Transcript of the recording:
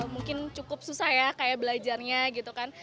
mungkin cukup susah ya kayak belajarnya gitu kan